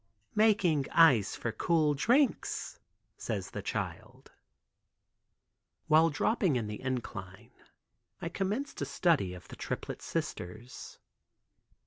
"Making ice for cool drinks," says the child. While dropping in the incline I commenced a study of the triplet sisters.